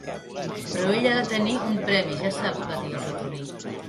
"Però ella ha de tenir un premi, ja saps", va dir el Ratolí.